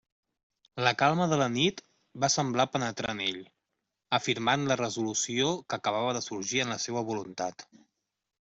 La calma de la nit va semblar penetrar en ell, afirmant la resolució que acabava de sorgir en la seua voluntat.